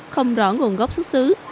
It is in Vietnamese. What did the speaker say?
không rõ nguồn gốc xuất xứ